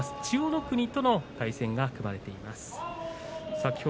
千代の国との対戦が組まれています。